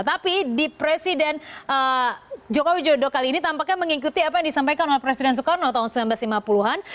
tapi di presiden joko widodo kali ini tampaknya mengikuti apa yang disampaikan oleh presiden soekarno tahun seribu sembilan ratus lima puluh an